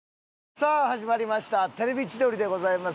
さあ始まりました『テレビ千鳥』でございます。